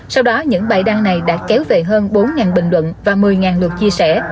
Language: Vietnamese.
sau đó những bài đăng này đã kéo về hơn bốn bình luận và một mươi lượt chia sẻ